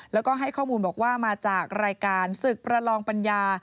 แล้วก็ให้ข้อมูลบอกว่ามาจากรายการศึกประลองปัญญา